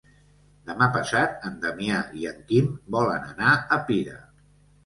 Demà passat en Damià i en Quim volen anar a Pira.